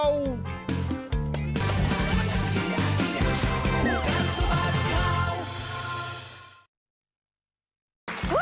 วู้วู้